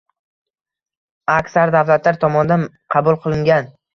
aksar davlatlar tomonidan qabul qilingan